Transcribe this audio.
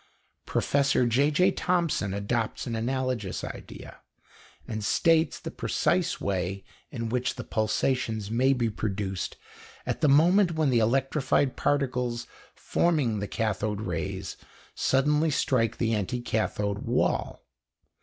Professor J.J. Thomson adopts an analogous idea, and states the precise way in which the pulsations may be produced at the moment when the electrified particles forming the cathode rays suddenly strike the anticathode wall.